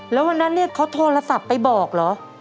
แล้ววันนั้นเนี่ยเขาโทรศัพท์ไปบอกเหรอ